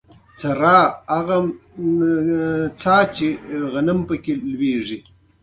بدرنګه ذهن تل ناامیده وي